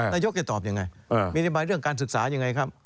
นายกจะตอบยังไงมีนโยบายเรื่องการศึกษายังไงครับ